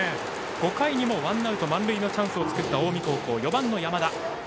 ５回にもワンアウト満塁のチャンスを作った近江高校４番の山田。